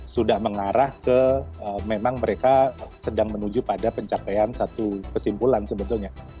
sudah mengarah ke memang mereka sedang menuju pada pencapaian satu kesimpulan sebetulnya